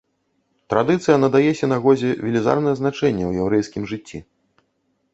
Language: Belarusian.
Традыцыя надае сінагозе велізарнае значэнне ў яўрэйскім жыцці.